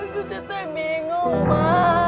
cucu teh bingung ma